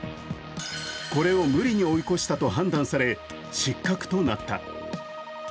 これを無理に追い越したと判断され、失格となった。